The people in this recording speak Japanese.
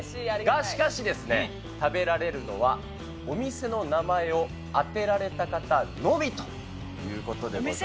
が、しかしですね、食べられるのは、お店の名前を当てられた方のみということでございます。